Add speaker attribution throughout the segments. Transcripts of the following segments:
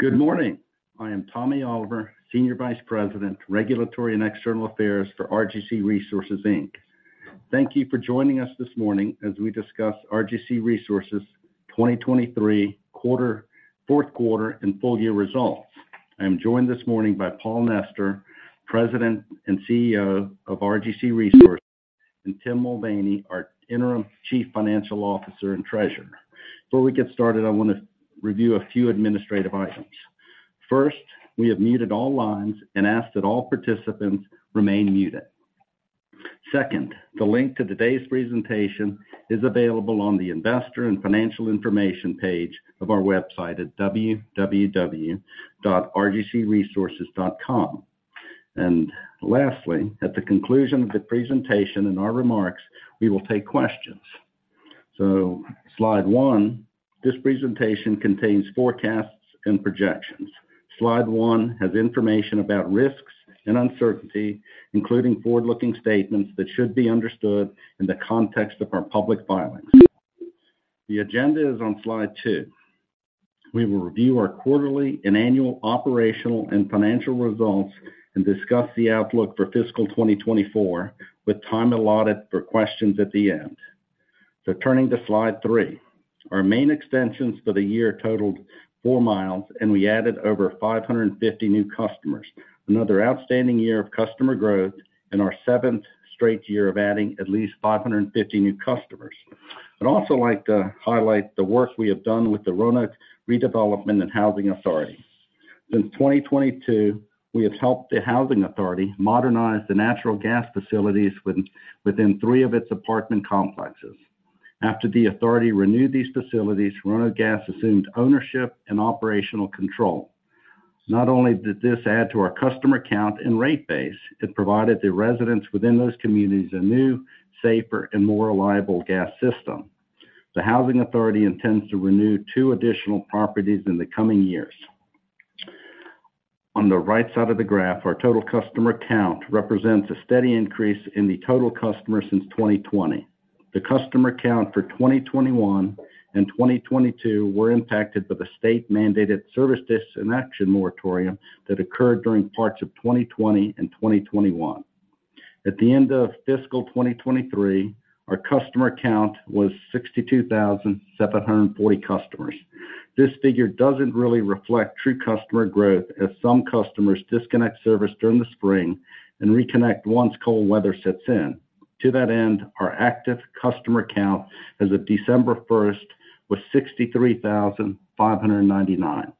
Speaker 1: Good morning. I am Tommy Oliver, Senior Vice President, Regulatory and External Affairs for RGC Resources, Inc. Thank you for joining us this morning as we discuss RGC Resources' 2023 fourth quarter and full year results. I am joined this morning by Paul Nester, President and CEO of RGC Resources, and Tim Mulvaney, our Interim Chief Financial Officer and Treasurer. Before we get started, I want to review a few administrative items. First, we have muted all lines and ask that all participants remain muted. Second, the link to today's presentation is available on the Investor and Financial Information page of our website at www.rgcresources.com. And lastly, at the conclusion of the presentation and our remarks, we will take questions. So Slide one, this presentation contains forecasts and projections. Slide one has information about risks and uncertainty, including forward-looking statements that should be understood in the context of our public filings. The agenda is on Slide two. We will review our quarterly and annual operational and financial results and discuss the outlook for fiscal 2024, with time allotted for questions at the end. Turning to Slide three. Our main extensions for the year totaled four miles, and we added over 550 new customers. Another outstanding year of customer growth and our seventh straight year of adding at least 550 new customers. I'd also like to highlight the work we have done with the Roanoke Redevelopment and Housing Authority. Since 2022, we have helped the Housing Authority modernize the natural gas facilities within three of its apartment complexes. After the authority renewed these facilities, Roanoke Gas assumed ownership and operational control. Not only did this add to our customer count and rate base, it provided the residents within those communities a new, safer, and more reliable gas system. The Housing Authority intends to renew two additional properties in the coming years. On the right side of the graph, our total customer count represents a steady increase in the total customers since 2020. The customer count for 2021 and 2022 were impacted by the state-mandated service disconnection moratorium that occurred during parts of 2020 and 2021. At the end of fiscal 2023, our customer count was 62,740 customers. This figure doesn't really reflect true customer growth, as some customers disconnect service during the spring and reconnect once cold weather sets in. To that end, our active customer count as of December 1 was 63,599.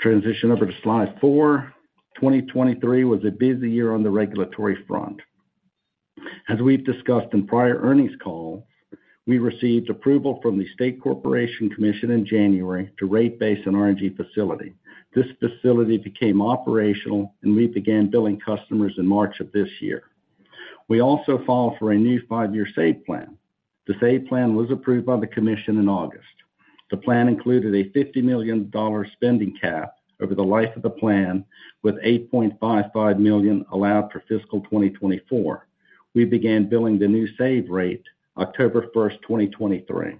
Speaker 1: Transition over to Slide 4. 2023 was a busy year on the regulatory front. As we've discussed in prior earnings call, we received approval from the State Corporation Commission in January to rate base an RNG facility. This facility became operational, and we began billing customers in March of this year. We also filed for a new five-year SAVE plan. The SAVE plan was approved by the commission in August. The plan included a $50 million spending cap over the life of the plan, with $8.55 million allowed for fiscal 2024. We began billing the new SAVE rate October 1, 2023.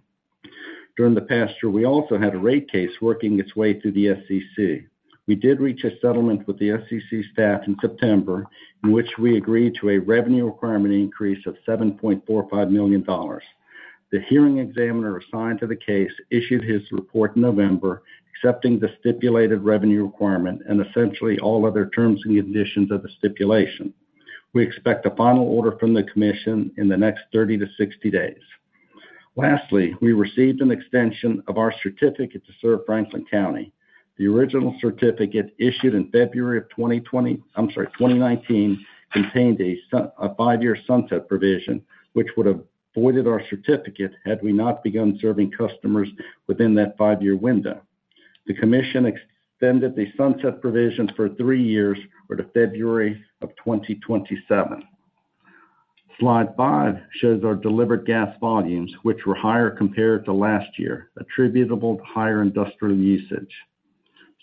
Speaker 1: During the past year, we also had a rate case working its way through the SCC. We did reach a settlement with the SCC staff in September, in which we agreed to a revenue requirement increase of $7.45 million. The hearing examiner assigned to the case issued his report in November, accepting the stipulated revenue requirement and essentially all other terms and conditions of the stipulation. We expect a final order from the commission in the next 30-60 days. Lastly, we received an extension of our certificate to serve Franklin County. The original certificate, issued in February of 2020... I'm sorry, 2019, contained a sunset a five-year sunset provision, which would have voided our certificate had we not begun serving customers within that five-year window. The commission extended the sunset provision for 3 years or to February of 2027. Slide five shows our delivered gas volumes, which were higher compared to last year, attributable to higher industrial usage.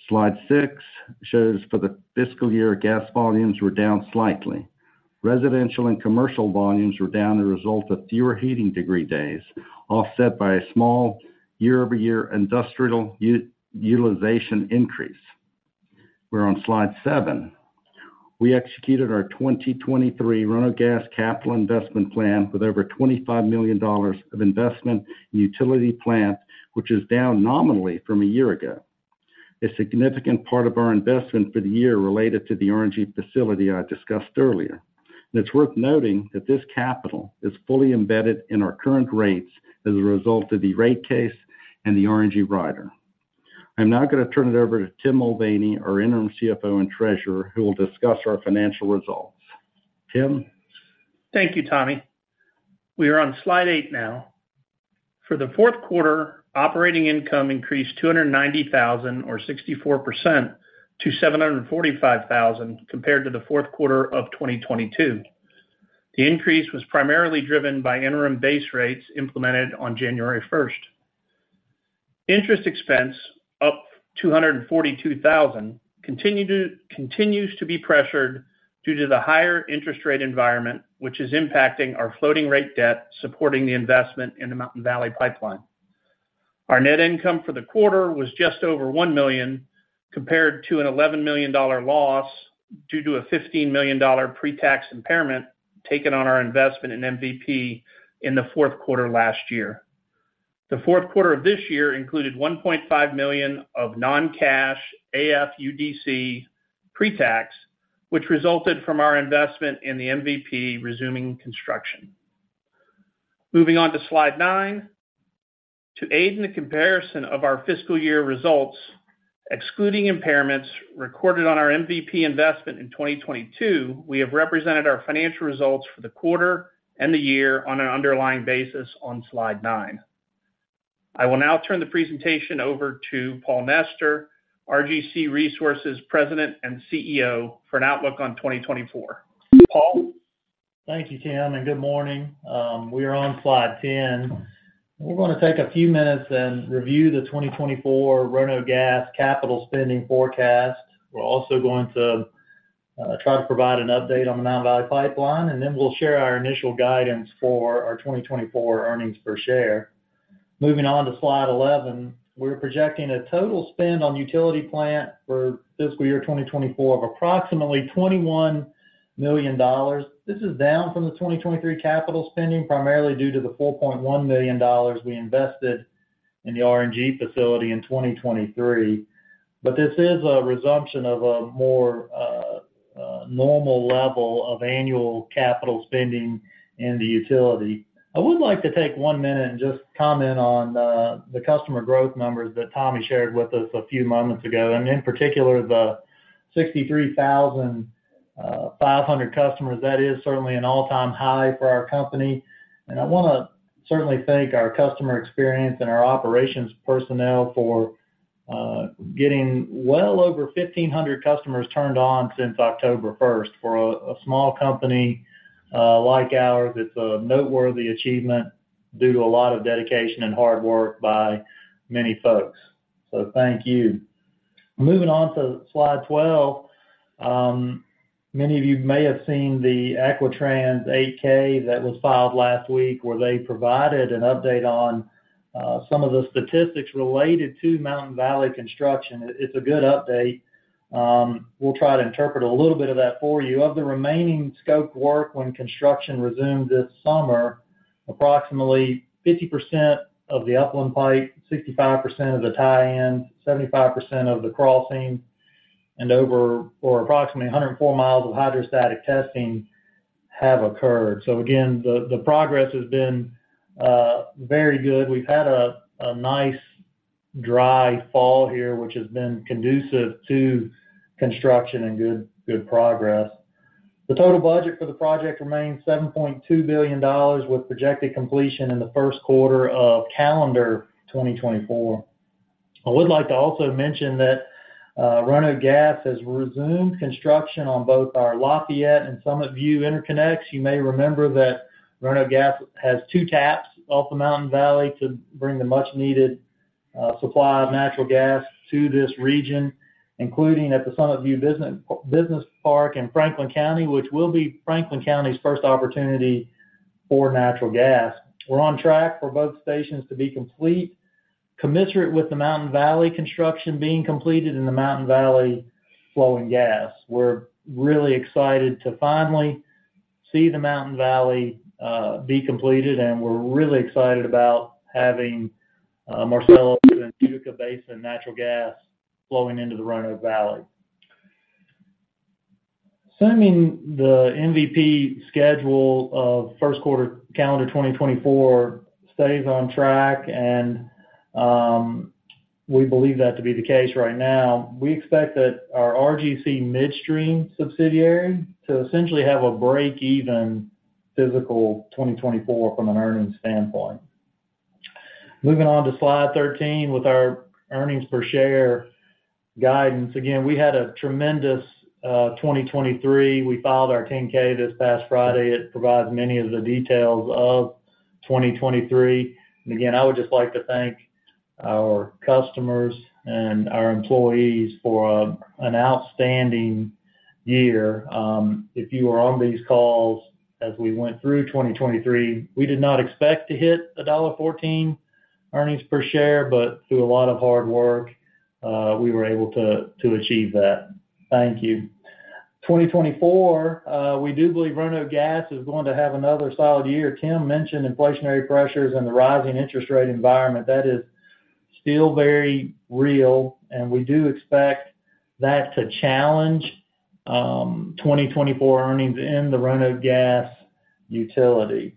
Speaker 1: Slide six shows for the fiscal year, gas volumes were down slightly. Residential and commercial volumes were down a result of fewer heating degree days, offset by a small year-over-year industrial utilization increase. We're on Slide seven. We executed our 2023 Roanoke Gas capital investment plan with over $25 million of investment in utility plant, which is down nominally from a year ago. A significant part of our investment for the year related to the RNG facility I discussed earlier. And it's worth noting that this capital is fully embedded in our current rates as a result of the rate case and the RNG rider. I'm now going to turn it over to Tim Mulvaney, our interim CFO and treasurer, who will discuss our financial results. Tim?
Speaker 2: Thank you, Tommy. We are on Slide 8 now. For the fourth quarter, operating income increased $290,000 or 64% to $745,000 compared to the fourth quarter of 2022. The increase was primarily driven by interim base rates implemented on January first. Interest expense, up $242,000, continues to be pressured due to the higher interest rate environment, which is impacting our floating rate debt, supporting the investment in the Mountain Valley Pipeline. Our net income for the quarter was just over $1 million, compared to an $11 million loss, due to a $15 million pre-tax impairment taken on our investment in MVP in the fourth quarter last year. The fourth quarter of this year included $1.5 million of non-cash AFUDC pre-tax, which resulted from our investment in the MVP resuming construction. Moving on to Slide 9. To aid in the comparison of our fiscal year results, excluding impairments recorded on our MVP investment in 2022, we have represented our financial results for the quarter and the year on an underlying basis on Slide 9. I will now turn the presentation over to Paul Nester, RGC Resources President and CEO, for an outlook on 2024. Paul?
Speaker 3: Thank you, Tim, and good morning. We are on Slide 10. We're going to take a few minutes and review the 2024 Roanoke Gas capital spending forecast. We're also going to try to provide an update on the Mountain Valley Pipeline, and then we'll share our initial guidance for our 2024 earnings per share. Moving on to Slide 11, we're projecting a total spend on utility plant for fiscal year 2024 of approximately $21 million. This is down from the 2023 capital spending, primarily due to the $4.1 million we invested in the RNG facility in 2023. But this is a resumption of a more normal level of annual capital spending in the utility. I would like to take one minute and just comment on the customer growth numbers that Tommy shared with us a few moments ago, and in particular, the 63,500 customers. That is certainly an all-time high for our company, and I want to certainly thank our customer experience and our operations personnel for getting well over 1,500 customers turned on since October first. For a small company like ours, it's a noteworthy achievement due to a lot of dedication and hard work by many folks. So thank you. Moving on to Slide 12. Many of you may have seen the Equitrans 10-K that was filed last week, where they provided an update on some of the statistics related to Mountain Valley Pipeline construction. It's a good update. We'll try to interpret a little bit of that for you. Of the remaining scope work when construction resumed this summer, approximately 50% of the Upland pipe, 65% of the tie-in, 75% of the crossing, and over or approximately 104 miles of hydrostatic testing have occurred. So again, the progress has been very good. We've had a nice dry fall here, which has been conducive to construction and good, good progress. The total budget for the project remains $7.2 billion, with projected completion in the first quarter of calendar 2024. I would like to also mention that Roanoke Gas has resumed construction on both our Lafayette and Summit View interconnects. You may remember that Roanoke Gas has two taps off the Mountain Valley to bring the much-needed supply of natural gas to this region, including at the Summit View Business Park in Franklin County, which will be Franklin County's first opportunity for natural gas. We're on track for both stations to be complete, commensurate with the Mountain Valley construction being completed and the Mountain Valley flowing gas. We're really excited to finally see the Mountain Valley be completed, and we're really excited about having Marcellus and Utica Basin natural gas flowing into the Roanoke Valley. Assuming the MVP schedule of first quarter calendar 2024 stays on track, and we believe that to be the case right now, we expect that our RGC Midstream subsidiary to essentially have a breakeven fiscal 2024 from an earnings standpoint. Moving on to Slide 13, with our earnings per share guidance. Again, we had a tremendous 2023. We filed our 10-K this past Friday. It provides many of the details of 2023. And again, I would just like to thank our customers and our employees for an outstanding year. If you were on these calls as we went through 2023, we did not expect to hit $1.14 earnings per share, but through a lot of hard work, we were able to achieve that. Thank you. 2024, we do believe Roanoke Gas is going to have another solid year. Tim mentioned inflationary pressures and the rising interest rate environment. That is still very real, and we do expect that to challenge 2024 earnings in the Roanoke Gas utility.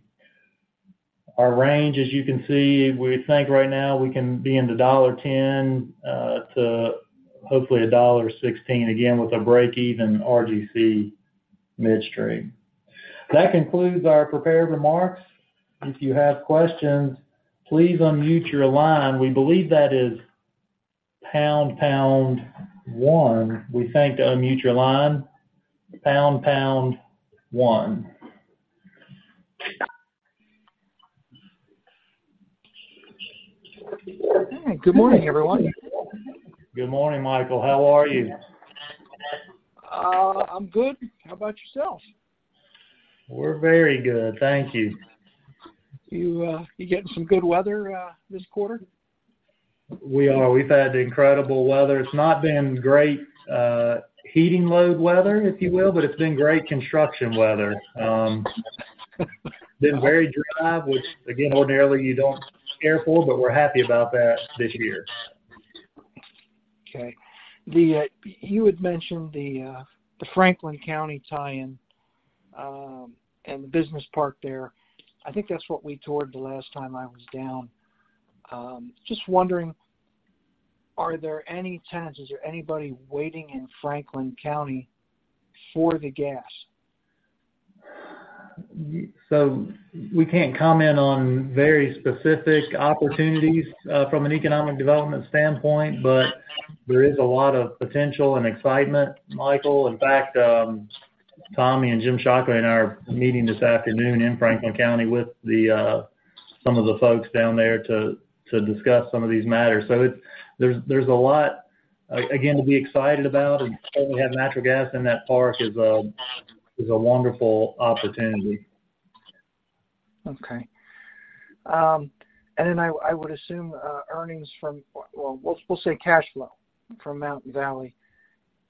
Speaker 3: Our range, as you can see, we think right now we can be in the $1.10-$1.16, again, with a breakeven RGC Midstream. That concludes our prepared remarks. If you have questions, please unmute your line. We believe that is pound, pound one, we think, to unmute your line. Pound, pound one.
Speaker 4: Good morning, everyone.
Speaker 3: Good morning, Michael. How are you?
Speaker 4: I'm good. How about yourself?
Speaker 3: We're very good, thank you.
Speaker 4: You, you getting some good weather, this quarter?
Speaker 3: We are. We've had incredible weather. It's not been great heating load weather, if you will, but it's been great construction weather. Been very dry, which again, ordinarily you don't care for, but we're happy about that this year.
Speaker 4: Okay. The, you had mentioned the, the Franklin County tie-in, and the business park there. I think that's what we toured the last time I was down. Just wondering, are there any tenants, is there anybody waiting in Franklin County for the gas?
Speaker 3: So we can't comment on very specific opportunities from an economic development standpoint, but there is a lot of potential and excitement, Michael. In fact, Tommy and Jim Shockley and I are meeting this afternoon in Franklin County with the some of the folks down there to discuss some of these matters. So there's a lot, again, to be excited about, and to have natural gas in that park is a wonderful opportunity.
Speaker 4: Okay. And then I would assume earnings from—well, we'll say cash flow from Mountain Valley,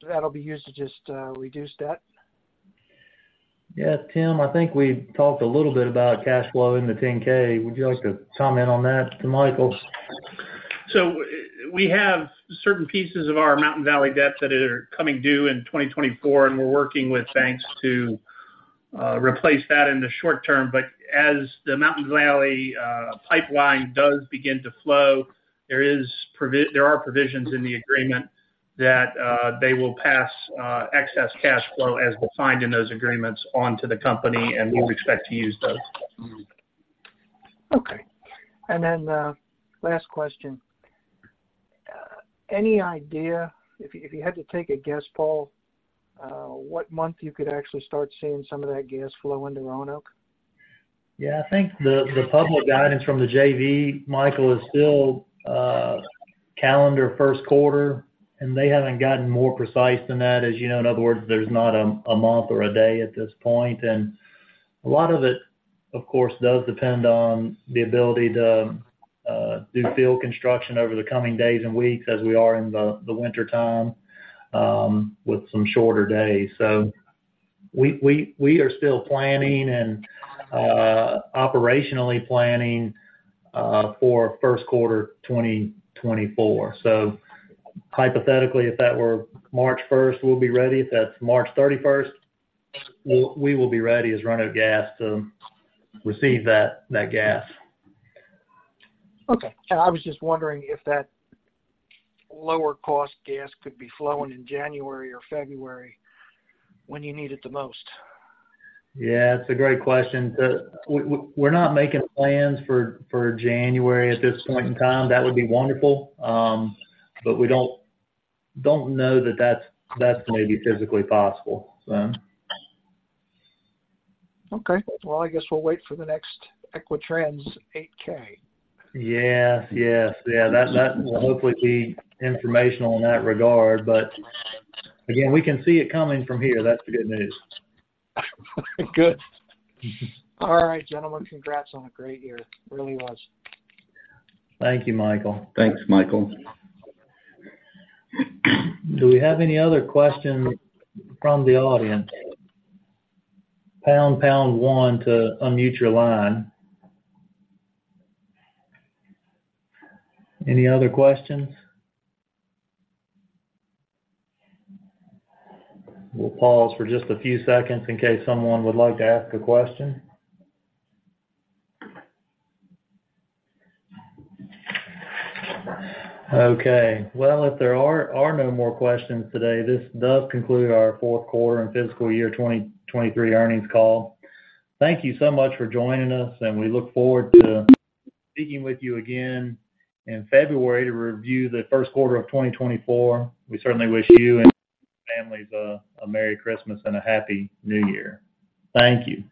Speaker 4: that'll be used to just reduce debt?
Speaker 3: Yeah, Tim, I think we talked a little bit about cash flow in the 10-K. Would you like to comment on that to Michael?
Speaker 2: So we have certain pieces of our Mountain Valley debt that are coming due in 2024, and we're working with banks to replace that in the short term. But as the Mountain Valley Pipeline does begin to flow, there are provisions in the agreement that they will pass excess cash flow as defined in those agreements onto the company, and we expect to use those.
Speaker 4: Okay. And then, last question. Any idea, if you had to take a guess, Paul, what month you could actually start seeing some of that gas flow into Roanoke?
Speaker 3: Yeah, I think the public guidance from the JV, Michael, is still calendar first quarter, and they haven't gotten more precise than that. As you know, in other words, there's not a month or a day at this point. And a lot of it, of course, does depend on the ability to do field construction over the coming days and weeks as we are in the wintertime with some shorter days. So we are still planning and operationally planning for first quarter 2024. So hypothetically, if that were March first, we'll be ready. If that's March thirty-first, we'll, we will be ready as Roanoke Gas to receive that gas.
Speaker 4: Okay. I was just wondering if that lower cost gas could be flowing in January or February when you need it the most?
Speaker 3: Yeah, it's a great question. We're not making plans for January at this point in time. That would be wonderful, but we don't know that that's maybe physically possible, so.
Speaker 4: Okay. Well, I guess we'll wait for the next Equitrans 8-K.
Speaker 3: Yes, yes. Yeah, that, that will hopefully be informational in that regard. But again, we can see it coming from here. That's the good news.
Speaker 4: Good. All right, gentlemen, congrats on a great year. It really was.
Speaker 3: Thank you, Michael.
Speaker 2: Thanks, Michael.
Speaker 3: Do we have any other questions from the audience? Pound, pound one to unmute your line. Any other questions? We'll pause for just a few seconds in case someone would like to ask a question. Okay, well, if there are no more questions today, this does conclude our fourth quarter and fiscal year 2023 earnings call. Thank you so much for joining us, and we look forward to speaking with you again in February to review the first quarter of 2024. We certainly wish you and your families a merry Christmas and a happy New Year. Thank you.